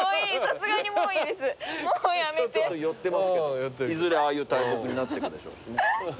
寄ってますけどいずれああいう大木になってくでしょう。